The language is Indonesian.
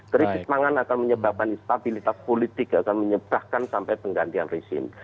krisis pangan akan menyebabkan stabilitas politik akan menyebabkan sampai penggantian rezim